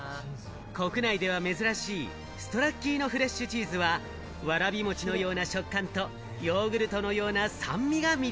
国内では珍しいストラッキーノフレッシュチーズは、わらび餅のような食感とヨーグルトのような酸味が魅力。